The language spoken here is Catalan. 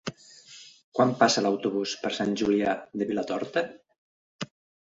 Quan passa l'autobús per Sant Julià de Vilatorta?